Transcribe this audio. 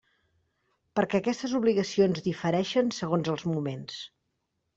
Perquè aquestes obligacions difereixen segons els moments.